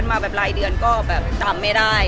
มารายเดือนก็ตามไม่ได้